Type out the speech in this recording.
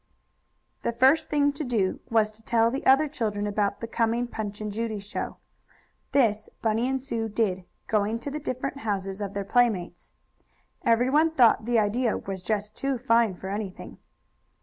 The first thing to do was to tell the other children about the coming Punch and Judy show. This Bunny and Sue did, going to the different houses of their playmates. Everyone thought the idea was just too fine for anything.